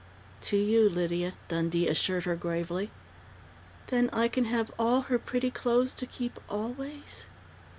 "To you, Lydia," Dundee assured her gravely. "Then I can have all her pretty clothes to keep always?"